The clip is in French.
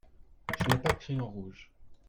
Je n'ai pas de crayon rouge.